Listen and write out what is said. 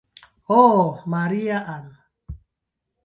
Ho Maria-Ann!